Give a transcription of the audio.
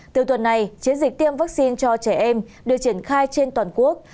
từ tuần này chiến dịch tiêm vaccine cho trẻ em được triển khai trên toàn quốc